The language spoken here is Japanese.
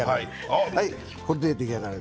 これで出来上がり。